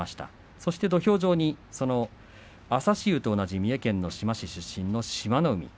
そして土俵上に朝志雄と同じ三重県志摩市出身の志摩ノ海。